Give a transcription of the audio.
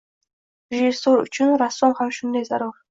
rejissyor uchun rassom ham shunday zarur.